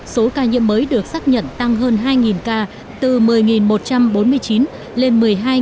số ca nhiễm mới được xác nhận tăng hơn hai ca từ một mươi một trăm bốn mươi chín lên một mươi hai bốn trăm sáu mươi hai